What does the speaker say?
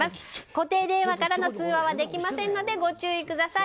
固定電話からの通話はできませんのでご注意ください。